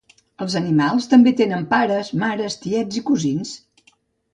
Els animals també tenen pares, mares, tiets i cosins.